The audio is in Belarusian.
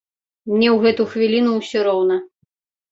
Мне ў гэту хвіліну ўсё роўна.